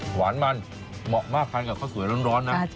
หวานมันเหมาะมากทานกับข้าวสวยร้อนนะ